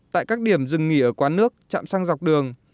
tại các điểm dừng nghỉ ở quán nước chạm xăng dọc đường